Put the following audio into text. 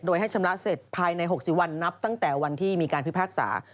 โดยให้ชำระเสร็จภายใน๖๐วันนับตั้งแต่วันที่มีการพิพากษา